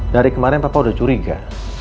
dari kemarin papa udah curiga